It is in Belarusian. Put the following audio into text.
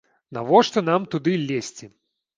Навошта нам туды лезці?